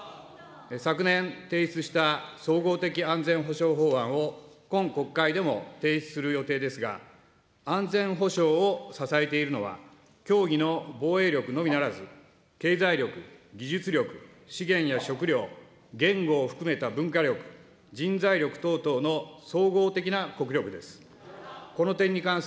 昨年提出した総合的安全保障法案を、今国会でも提出する予定ですが、安全保障を支えているのは、狭義の防衛力のみならず、経済力、技術力、資源や食料、言語を含めた文化力、人材力等々の総合的な国力です。